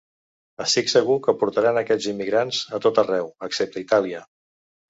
Estic segur que portaran aquests immigrants a tot arreu, excepte a Itàlia.